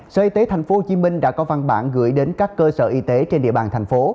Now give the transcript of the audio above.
sở y tế tp hcm đã có văn bản gửi đến các cơ sở y tế trên địa bàn thành phố